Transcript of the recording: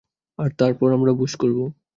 আর তারপর আমরা ভোজ করবো!